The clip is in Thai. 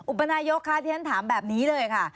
ปนายกคะที่ฉันถามแบบนี้เลยค่ะ